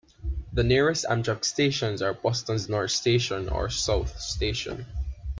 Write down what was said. The nearest Amtrak stations are Boston's North Station or South Station.